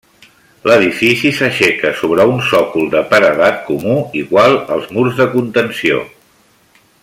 L'edifici s'aixeca sobre un sòcol de paredat comú igual als murs de contenció.